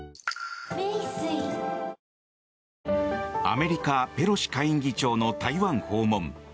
アメリカ、ペロシ下院議長の台湾訪問。